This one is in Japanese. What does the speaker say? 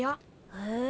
へえ。